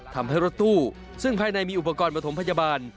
ทำให้รถตู้ซึ่งภายในมีอุปกรณ์ประถมพยาบาล